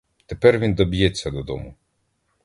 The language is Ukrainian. Тепер він доб'ється додому.